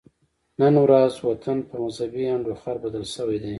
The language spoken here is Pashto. نن ورځ وطن په مذهبي انډوخر بدل شوی دی